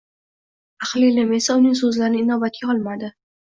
Ahli ilm esa uning so‘zlarini inobatga olmadi